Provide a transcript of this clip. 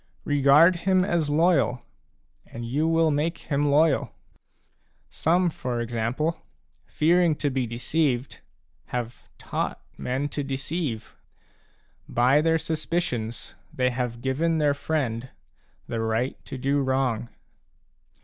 Regard him as loyal, and you will make him loyal. Some, for example, fearing to be deceived, have taught men to deceive ; by their suspicions they have given their friend the right to do wrong.